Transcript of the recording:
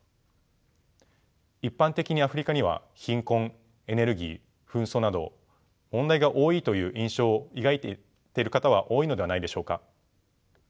一般的にアフリカには貧困エネルギー紛争など問題が多いという印象を抱いている方は多いのではないでしょうか。